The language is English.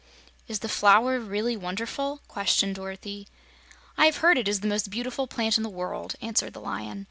"Is the Flower really wonderful?" questioned Dorothy. "I have heard it is the most beautiful plant in the world," answered the Lion.